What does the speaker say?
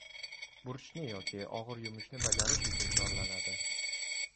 Burchni yoki ogʻir yumushni bajarish uchun chorlanadi.